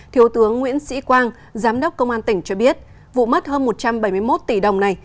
thiếu tướng nguyễn sĩ quang giám đốc công an tỉnh cho biết vụ mất hơn một trăm bảy mươi một tỷ đồng này